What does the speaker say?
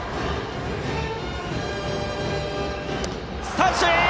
三振！